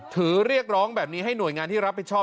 เรียกร้องแบบนี้ให้หน่วยงานที่รับผิดชอบ